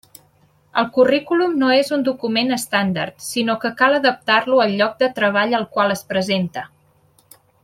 El currículum no és un document estàndard sinó que cal adaptar-lo al lloc de treball al qual es presenta.